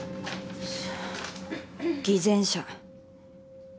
偽善者。